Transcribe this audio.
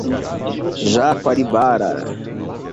Jaguaribara